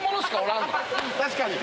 確かに。